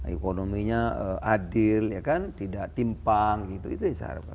ekonominya adil tidak timpang gitu itu yang saya harapkan